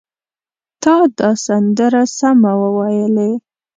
تا دا سندره سمه وویلې!